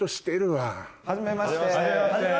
はじめまして。